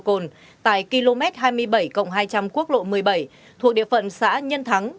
độ cồn tại km hai mươi bảy hai trăm linh quốc lộ một mươi bảy thuộc địa phận xã nhân thắng